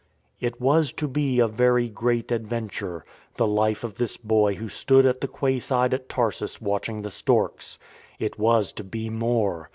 It was to be a very great Adventure — the life of this boy who stood at the quay side at Tarsus watch ing the storks. It was to be more.